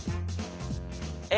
え